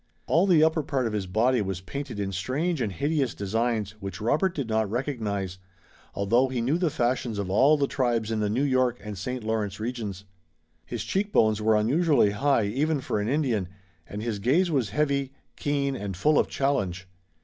All the upper part of his body was painted in strange and hideous designs which Robert did not recognize, although he knew the fashions of all the tribes in the New York and St. Lawrence regions. His cheek bones were unusually high even for an Indian and his gaze was heavy, keen and full of challenge.